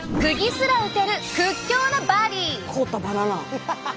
凍ったバナナ！